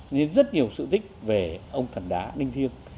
nên rất nhiều sự thích về ông thần đá linh thiên